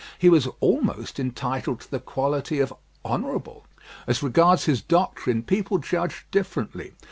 He was almost entitled to the quality of "Honourable." As regarded his doctrine, people judged differently.